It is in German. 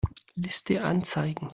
Liste anzeigen.